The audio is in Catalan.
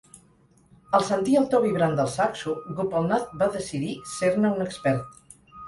Al sentir el to vibrant del saxo, Gopalnath va decidir ser-ne un expert.